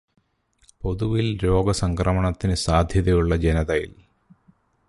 പൊതുവിൽ രോഗസംക്രമത്തിനു സാധ്യതയുള്ള ജനതതിയിൽ